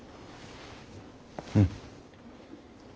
うん。